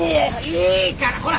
いいからほら！